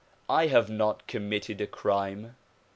I have not committed a crime.